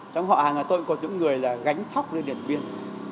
trong họ hàng tôi cũng có những người gánh thóc lên điện biên